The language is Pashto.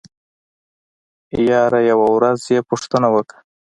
يره يوه ورځ يې پوښتنه وکړه.